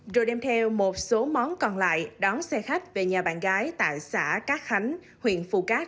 rồi đem theo một số món còn lại đón xe khách về nhà bạn gái tại xã cát khánh huyện phù cát